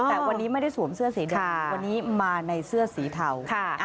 แต่วันนี้ไม่ได้สวมเสื้อสีดำวันนี้มาในเสื้อสีเทา